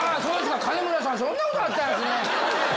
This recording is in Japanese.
金村さん、そんなことあったんですね。